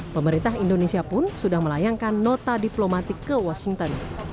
pemerintah indonesia pun sudah melayangkan nota diplomatik ke washington